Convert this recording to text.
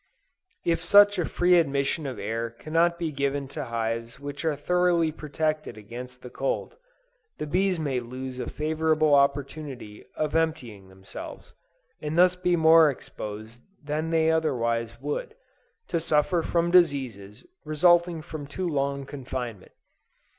If such a free admission of air cannot be given to hives which are thoroughly protected against the cold, the bees may lose a favorable opportunity of emptying themselves; and thus be more exposed than they otherwise would, to suffer from diseases resulting from too long confinement.